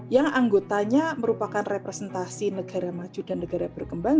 yang anggotanya merupakan representasi negara maju dan negara berkembang